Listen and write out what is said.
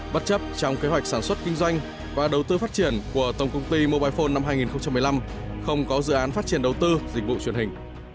bất chấp trong kế hoạch sản xuất kinh doanh và đầu tư phát triển của tổng công ty mobile phone năm hai nghìn một mươi năm không có dự án phát triển đầu tư dịch vụ truyền hình